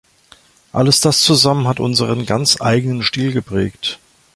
Alles das zusammen hat unseren ganz eigenen Stil geprägt.